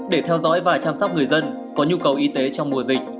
để theo dõi và chăm sóc người dân có nhu cầu y tế trong mùa dịch